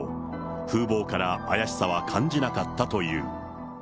風ぼうから怪しさは感じなかったという。